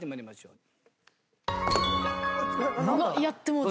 うわっやってもうた。